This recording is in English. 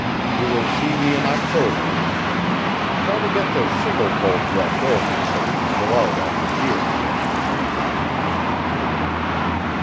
You will see me in October. Try to get the shingle bolt rush over so we can go out after deer together now and then."